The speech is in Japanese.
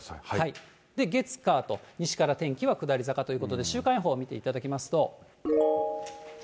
で、月、火と西から天気は下り坂ということで、週間予報見ていただきますと。